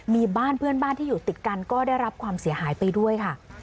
มีบ้านเพื่อนบ้านที่อยู่ติดกันก็ได้รับความเสียหายไปด้วยค่ะ